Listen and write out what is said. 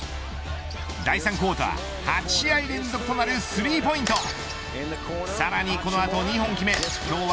第３クオーター８試合連続となるスリーポイント。